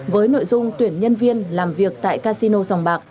với nội dung tuyển nhân viên làm việc tại casino dòng bạc